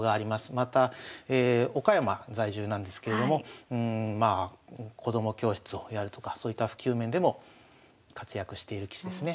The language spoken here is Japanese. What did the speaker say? また岡山在住なんですけれどもまあ子ども教室をやるとかそういった普及面でも活躍している棋士ですね。